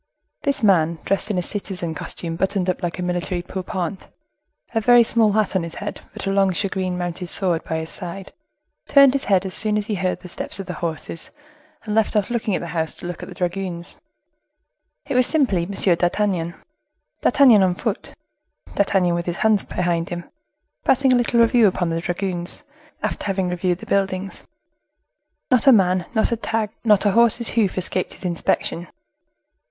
This man, dressed in a citizen costume buttoned up like a military pourpoint, a very small hat on his head, but a long shagreen mounted sword by his side, turned his head as soon as he heard the steps of the horses, and left off looking at the house to look at the dragoons. It was simply M. d'Artagnan; D'Artagnan on foot; D'Artagnan with his hands behind him, passing a little review upon the dragoons, after having reviewed the buildings. Not a man, not a tag, not a horse's hoof escaped his inspection.